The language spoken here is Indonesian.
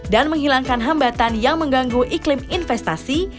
dan menghilangkan hambatan yang mengganggu iklim investasi